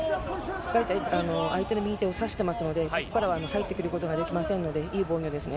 しっかりと相手の右手を差してますので、ここからは入ってくることができませんので、いい防御ですね。